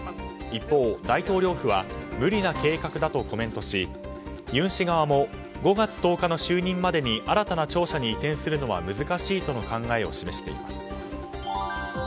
一方、大統領府は無理な計画だとコメントし尹氏側も５月１０日の就任までに新たな庁舎に移転するのは難しいとの考えを示しています。